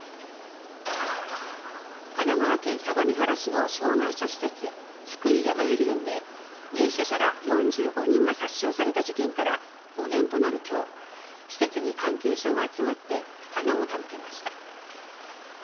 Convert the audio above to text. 神奈川県相模原市の障害者施設津久井やまゆり園で入所者ら４５人が殺傷された事件から５年となる今日施設に関係者が集まって花を手向けました。